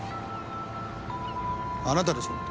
あなたでしょ？